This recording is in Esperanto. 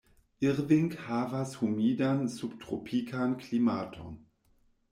Irving havas humidan subtropikan klimaton.